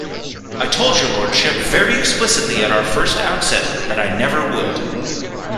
I told your Lordship very explicitly at our first outset, that I never would.